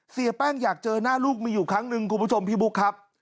เสียแป้งอยากเจอหน้าลูกมีอยู่ครั้งหนึ่งคุณผู้ชมพี่บุ๊คครับ